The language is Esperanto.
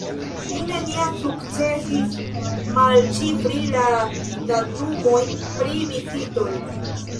Mi neniam sukcesis malĉifri la datumojn pri vizitoj.